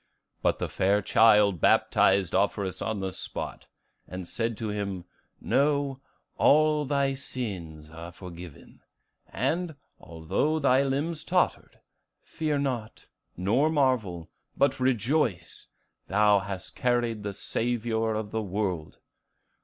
But the fair child baptized Offerus on the spot, and said to him, 'Know, all thy sins are forgiven; and, although thy limbs tottered, fear not, nor marvel, but rejoice; thou hast carried the Saviour of the world!